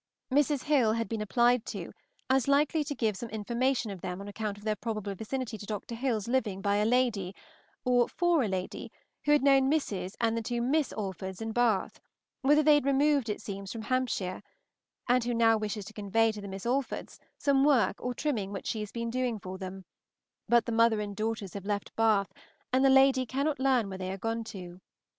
Mrs. Hill had been applied to as likely to give some information of them on account of their probable vicinity to Dr. Hill's living by a lady, or for a lady, who had known Mrs. and the two Miss Alfords in Bath, whither they had removed it seems from Hampshire, and who now wishes to convey to the Miss Alfords some work or trimming which she has been doing for them; but the mother and daughters have left Bath, and the lady cannot learn where they are gone to.